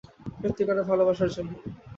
সত্যিকারের ভালবাসার জন্য।